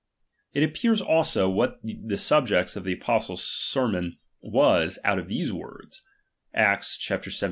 It appears also, what the subject of the apostle's ser mon was, out of these words (Acts xvii.